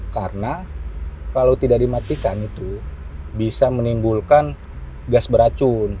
karena kalau tidak dimatikan itu bisa menimbulkan gas beracun